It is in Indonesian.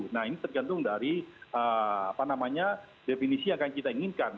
nah ini tergantung dari definisi yang akan kita inginkan